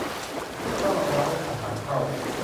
ห้ามเอาน้ำและอาหารเข้า